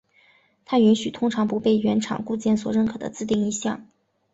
它允许通常不被原厂固件所认可的自定义项。